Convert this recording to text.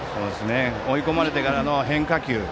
追い込まれてからの変化球。